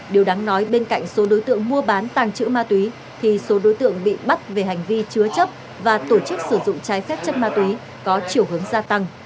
điều đáng nói bên cạnh số đối tượng mua bán tàng chữ ma túy thì số đối tượng bị bắt về hành vi chúa chóc và tổ chức sử dụng tái phép chắc ma túy có chiều hướng gia tăng